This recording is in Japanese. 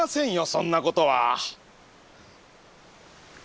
そんなことは。